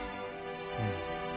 うん。